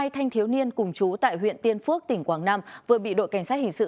hai thanh thiếu niên cùng chú tại huyện tiên phước tỉnh quảng nam vừa bị đội cảnh sát hình sự